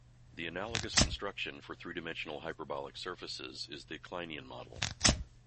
The analogous construction for three-dimensional hyperbolic surfaces is the Kleinian model.